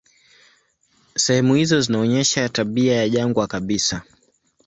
Sehemu hizo zinaonyesha tabia ya jangwa kabisa.